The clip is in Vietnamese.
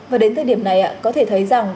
và đến thời điểm này có thể thấy rằng